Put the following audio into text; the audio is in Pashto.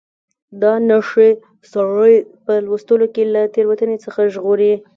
دا نښې سړی په لوستلو کې له تېروتنې څخه ژغوري.